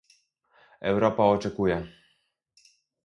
"Europa oczekuje"